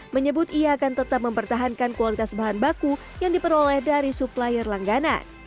menyebut ia akan tetap mempertahankan kualitas bahan baku yang diperoleh dari supplier langganan